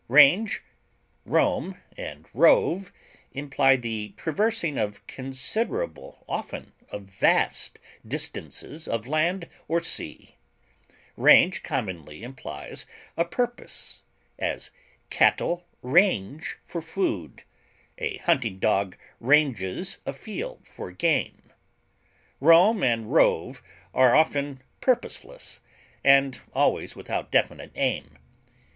Range, roam, and rove imply the traversing of considerable, often of vast, distances of land or sea; range commonly implies a purpose; as, cattle range for food; a hunting dog ranges a field for game. Roam and rove are often purposeless, and always without definite aim.